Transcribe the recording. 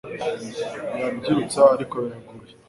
yabyutsa ariko biragoye